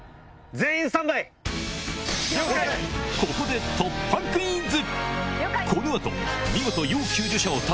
ここで突破クイズ！